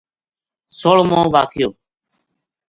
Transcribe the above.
سوہلمو واقعو